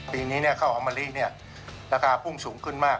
ปีนี้ข้าวหอมมะลิราคาพุ่งสูงขึ้นมาก